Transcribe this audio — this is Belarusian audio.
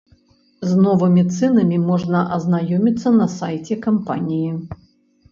З новымі цэнамі можна азнаёміцца на сайце кампаніі.